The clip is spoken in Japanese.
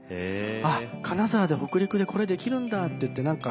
あっ金沢で北陸でこれできるんだって言って